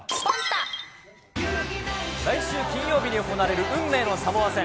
来週金曜日に行われる運命のサモア戦。